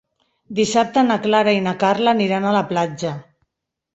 Dissabte na Clara i na Carla aniran a la platja.